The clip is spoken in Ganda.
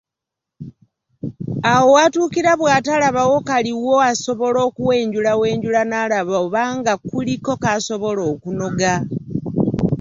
Awo w’atuukira bw’atalabawo kaliwo asobola okuwenjulawenjula n’alaba oba nga kuliko k’asobola okunoga.